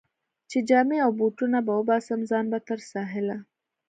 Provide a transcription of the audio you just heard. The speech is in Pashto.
چې جامې او بوټونه به وباسم، ځان به تر ساحله.